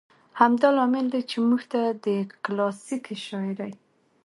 همدا لامل دى، چې موږ ته د کلاسيکې شاعرۍ